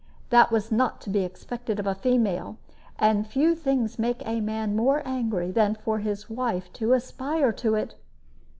That was not to be expected of a female; and few things make a man more angry than for his wife to aspire to it.